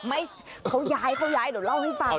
ไม่เขาย้ายเขาย้ายเดี๋ยวเล่าให้ฟัง